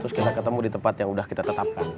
terus kita ketemu di tempat yang sudah kita tetapkan